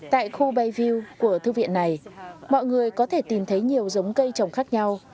tại khu bayview của thư viện này mọi người có thể tìm thấy nhiều giống cây trồng khác nhau